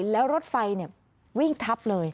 แล้วรถไฟเนี่ยวิ่งทับเลย